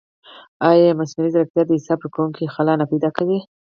ایا مصنوعي ځیرکتیا د حساب ورکونې خلا نه پیدا کوي؟